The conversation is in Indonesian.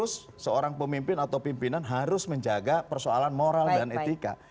seorang pemimpin atau pimpinan harus menjaga persoalan moral dan etika